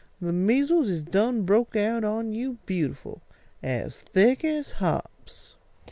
The measles is done broke out on you beautiful as thick as hops."